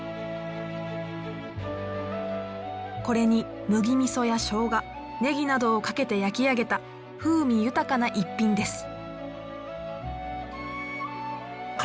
これに麦みそやしょうがねぎなどをかけて焼き上げた風味豊かな逸品です。